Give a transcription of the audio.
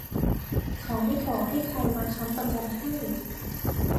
เขาไม่ขอให้ใครมาค้ำประกันให้